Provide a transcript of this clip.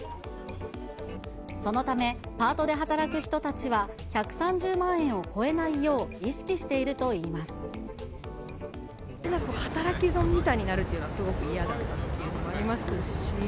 そのため、パートで働く人たちは１３０万円を超えないよう意識しているとい働き損みたいになるというのは、すごく嫌だなっていうのはありますし。